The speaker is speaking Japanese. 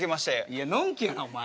いやのんきやなお前。